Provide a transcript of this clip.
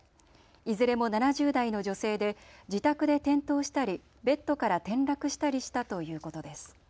いずれも７０代の女性で自宅で転倒したりベットから転落したりしたということです。